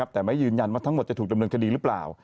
แต่ไม่ยืนยันว่าทั้งหมดจะถูกดำเนินคดีหรือเปล่า